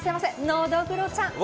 ノドグロちゃん。